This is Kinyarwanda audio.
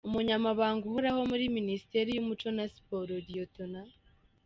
Umunyamabanga Uhoraho muri Minisiteri y’Umuco na Siporo, Lt.